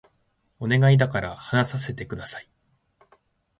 お願いだから話させて下さい